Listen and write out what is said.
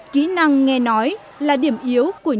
kỹ năng nghe nói là điểm yếu của nhiều giáo viên